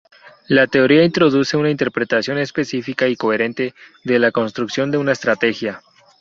La teoría introduce una interpretación específica y coherente de la construcción de una estrategia.